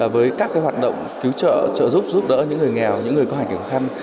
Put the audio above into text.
với các hoạt động cứu trợ trợ giúp giúp đỡ những người nghèo những người có hành cảnh khó khăn